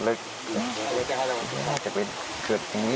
ครับได้ข่าวว่าทะเลาะกันทุกวันเลยใช่ไหมพี่